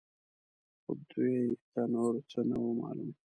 خو دوی ته نور څه نه وو معلوم.